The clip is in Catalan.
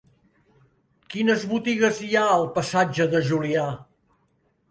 Quines botigues hi ha al passatge de Julià?